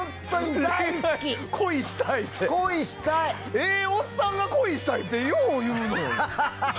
ええおっさんが恋したいってよう言うのよ。